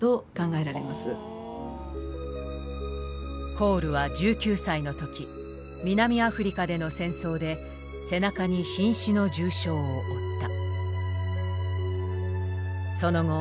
コールは１９歳のとき南アフリカでの戦争で背中にひん死の重傷を負った。